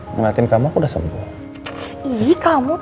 ngeliatin kamu udah sembuh kamu